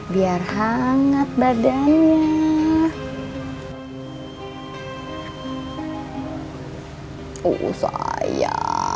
biar hangat badannya